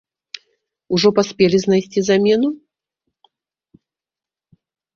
Ужо паспелі знайсці замену?